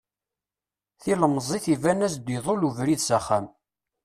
Tilemẓit iban-as-d iḍul ubrid s axxam.